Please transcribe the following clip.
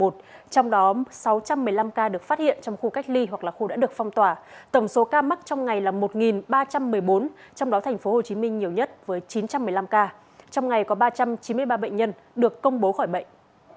trong đó sáu trăm một mươi năm ca được phát hiện trong khu cách ly hoặc là khu đã được phong tỏa tổng số ca mắc trong ngày là một ba trăm một mươi bốn trong đó tp hcm nhiều nhất với chín trăm một mươi năm ca trong ngày có ba trăm chín mươi ba bệnh nhân được công bố khỏi bệnh